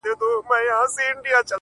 قرآن، انجیل، تلمود، گیتا به په قسم نیسې،